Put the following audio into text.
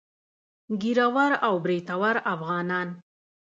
ږيره ور او برېتور افغانان.